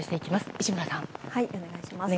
市村さん、お願いします。